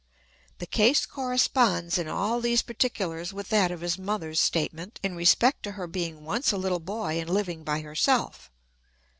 The case corresponds in all these particulars with that of his mother's statement in respect to her being once a little boy and living by herself.